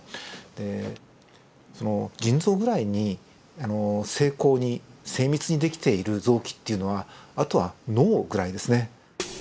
でその腎臓ぐらいに精巧に精密にできている臓器っていうのはあとは脳ぐらいですね。